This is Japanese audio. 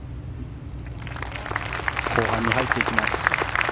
後半に入っていきます。